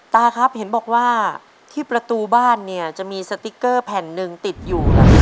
ตาครับเห็นบอกว่าที่ประตูบ้านเนี่ยจะมีสติ๊กเกอร์แผ่นหนึ่งติดอยู่